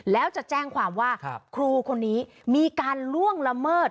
แล้วจะแจ้งความว่าครูคนนี้มีการล่วงละเมิด